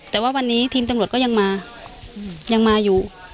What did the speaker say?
แต่ว่าวันนี้ทีมตำรวจก็ยังมายังมาอยู่